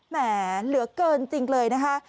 แหมเหลือเกินจริงเลยนะคะ